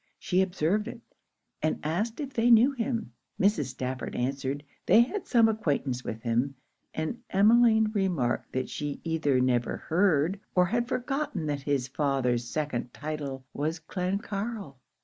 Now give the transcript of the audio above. She observed it; and asked if they knew him? Mrs. Stafford answered, they had some acquaintance with him; and Emmeline remarked that she either never heard or had forgotten that his father's second title was Clancarryl.